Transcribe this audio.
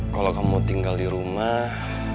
kalau kamu tinggal di rumah